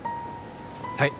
はい！